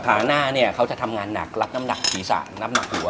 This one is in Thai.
หัวหน้าเนี่ยเขาจะทำงานหนักรับน้ำหนักศีรษะนับหนักหัว